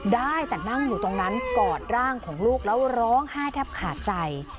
ได้แต่นั่งอยู่ตรงนั้นกอดร่างของลูกแล้วร้องไห้แทบขาดใจ